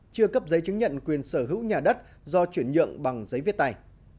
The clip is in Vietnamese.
chưa cấp giấy chứng nhận quyền sở hữu nhà đất do chuyển nhượng bằng giấy viết tay